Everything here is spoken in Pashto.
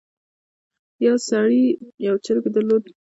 یو سړي یو چرګ درلود.